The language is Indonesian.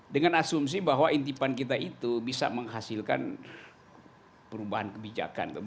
dengan asumsi bahwa intipan kita itu bisa menghasilkan perubahan kebijakan